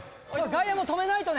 外野も止めないとね。